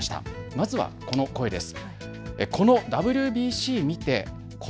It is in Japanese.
まずはこの声です。